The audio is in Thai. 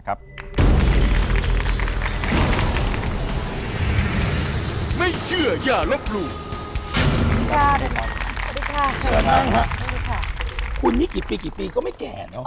คนนี้กี่ปีกี่ปีก็ไม่แก่นะ